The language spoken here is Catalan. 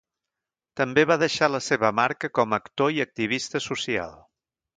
També va deixar la seva marca com a actor i activista social.